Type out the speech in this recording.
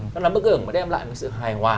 nó là bức ảnh mà đem lại sự hài hòa